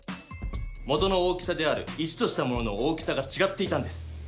元の大きさである１としたものの大きさがちがっていたんです。